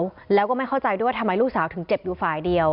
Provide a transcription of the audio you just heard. แล้วก็ไม่เข้าใจด้วยว่าทำไมลูกสาวถึงเจ็บอยู่ฝ่ายเดียว